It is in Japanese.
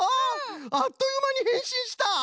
あっというまにへんしんした。